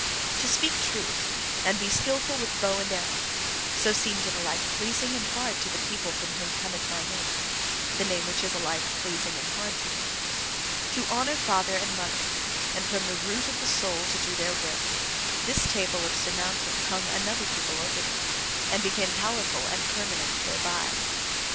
"To speak truth, and be skilful with bow and arrow" so seemed it alike pleasing and hard to the people from whom cometh my name the name which is alike pleasing and hard to me. "To honour father and mother, and from the root of the soul to do their will" this table of surmounting hung another people over them, and became powerful and permanent thereby.